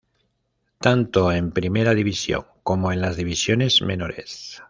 Tanto en primera división, como en las divisiones menores.